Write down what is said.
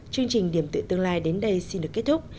chương trình điểm tựa tương lai đến đây xin được kết thúc